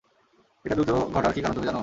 এইটা দ্রুত ঘটার কি কারণ তুমি জানো?